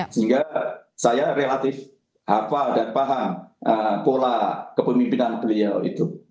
sehingga saya relatif hafal dan paham pola kepemimpinan beliau itu